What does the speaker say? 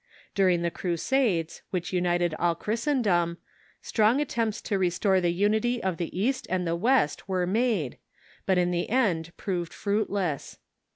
During the Crusades, which united all Christendom, strong attempts to restore the unity of the East and the West were made, but in the end proved fruitless.